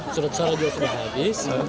surat suara juga sudah habis